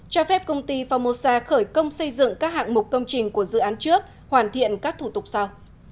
cho phép công ty phongmosa khởi công xây dựng các hạng mục công trình của dự án trước hoàn thiện các thủ tục sau